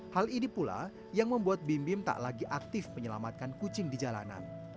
hal ini pula yang membuat bim bim tak lagi aktif menyelamatkan kucing di jalanan